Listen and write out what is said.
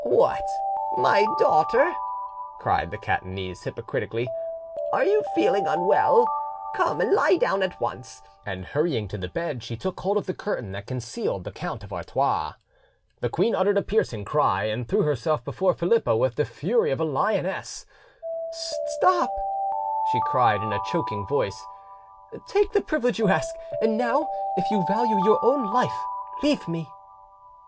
"What, my daughter," cried the Catanese hypocritically, "are you feeling unwell? Come and lie down at once." And hurrying to the bed, she took hold of the curtain that concealed the Count of Artois. The queen uttered a piercing cry, and threw herself before Philippa with the fury of a lioness. "Stop!" she cried in a choking voice; "take the privilege you ask, and now, if you value your own life, leave me."